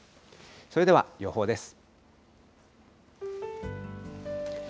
それでは予報です。